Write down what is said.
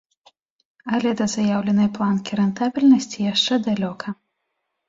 Але да заяўленай планкі рэнтабельнасці яшчэ далёка.